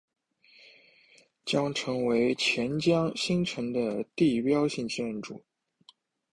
将成为钱江新城的地标性建筑。